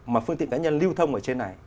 mà phương tiện cá nhân lưu thông ở trên này